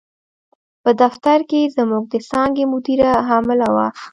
په دفتر کې زموږ د څانګې مدیره حامله وه.